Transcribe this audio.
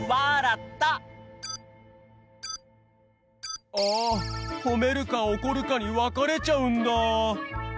あほめるかおこるかにわかれちゃうんだ！